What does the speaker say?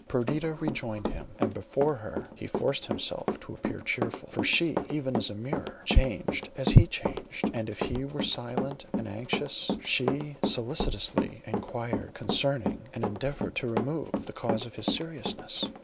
Perdita rejoined him, and before her he forced himself to appear cheerful, for she, even as a mirror, changed as he changed, and if he were silent and anxious, she solicitously inquired concerning, and endeavoured to remove the cause of his seriousness.